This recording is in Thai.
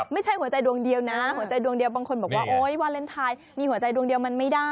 ไม่ใช่หัวใจดวงเดียวนะหัวใจดวงเดียวบางคนบอกว่าโอ๊ยวาเลนไทยมีหัวใจดวงเดียวมันไม่ได้